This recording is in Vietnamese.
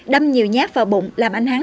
đâm nhiều nhát vào bụng làm anh hán